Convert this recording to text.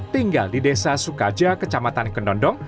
tinggal di desa sukaja kecamatan kendondong